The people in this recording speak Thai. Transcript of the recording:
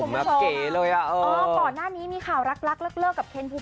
แล้วจะไม่มีก็ได้เราไม่รู้